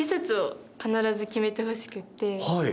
はい。